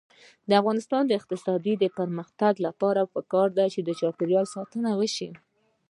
د افغانستان د اقتصادي پرمختګ لپاره پکار ده چې چاپیریال ساتنه وشي.